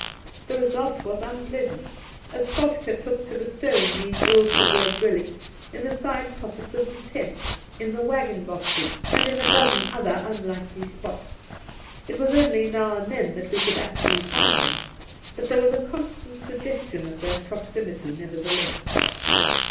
The result was unpleasant, as Soltke took to bestowing these ill preserved relics in the side " pockets of the tents, in the waggon boxes, and in a dozen other unlikely spots. It was only now and then that we could actually find them ; but there was a constant suggestion of their proximity, never theless.